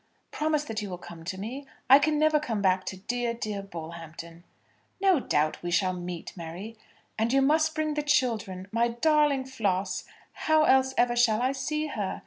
Promise that you will come to me. I can never come back to dear, dear Bullhampton." "No doubt we shall meet, Mary." "And you must bring the children my darling Flos! How else ever shall I see her?